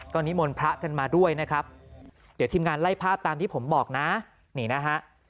นิมนต์พระกันมาด้วยนะครับเดี๋ยวทีมงานไล่ภาพตามที่ผมบอกนะนี่นะฮะ